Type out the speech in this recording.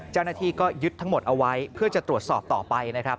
เจ้าหน้าที่ก็ยึดทั้งหมดเอาไว้เพื่อจะตรวจสอบต่อไปนะครับ